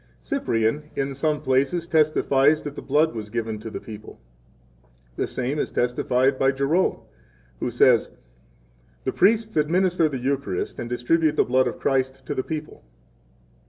Cyprian in some places testifies that the blood was given to the people. 6 The same is testified by Jerome, who says: The priests administer the Eucharist, and distribute the blood of Christ to the people.